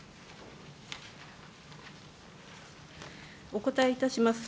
お答えいたします。